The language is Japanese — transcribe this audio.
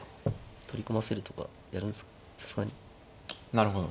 なるほど。